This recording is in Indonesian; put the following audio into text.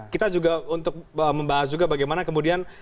kita juga untuk membahas juga bagaimana kemudian